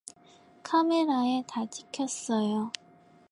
카메라에 다 찍혔어요.